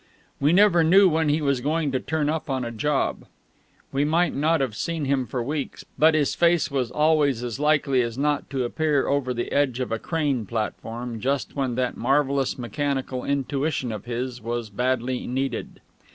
We never knew when he was going to turn up on a job. We might not have seen him for weeks, but his face was always as likely as not to appear over the edge of a crane platform just when that marvellous mechanical intuition of his was badly needed.